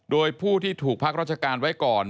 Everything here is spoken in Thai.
โดยผู้ที่ถูกพักราชการไว้ก่อน